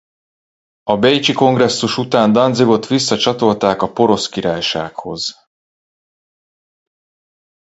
A bécsi kongresszus után Danzigot visszacsatolták a Porosz Királysághoz.